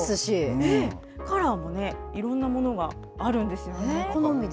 カラーもいろんなものがある好みで。